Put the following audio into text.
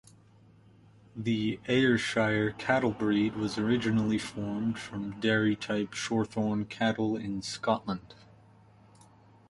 The Ayrshire cattle breed was originally formed from dairy-type Shorthorn cattle in Scotland.